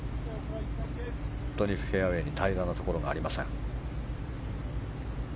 フェアウェーに平らなところがありません。